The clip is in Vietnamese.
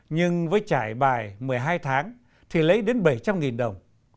nhưng với trải bài một mươi hai tháng thì lấy đến bảy trăm linh đồng